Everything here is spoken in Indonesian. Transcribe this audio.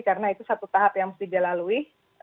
karena itu satu tahap yang harus dia lalui